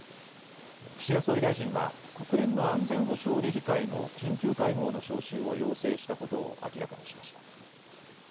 岸田総理大臣は国連の安全保障理事会の緊急会合の招集を要請したことを明らかにしました。